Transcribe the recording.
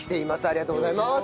ありがとうございます。